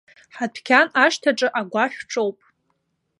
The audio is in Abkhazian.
Ҳадәқьан ашҭаҿы агәашә ҿоуп.